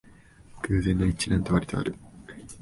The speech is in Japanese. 偶然の一致なんてわりとある